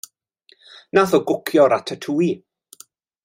Nath o gwcio ratatouille.